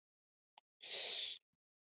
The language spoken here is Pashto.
ښتې د افغانستان د ښاري پراختیا سبب کېږي.